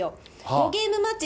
５ゲームマッチ